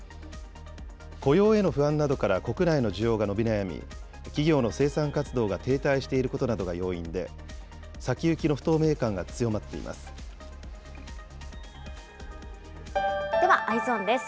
雇用への不安などから国内の需要が伸び悩み、企業の生産活動が停滞していることなどが要因で、先ではＥｙｅｓｏｎです。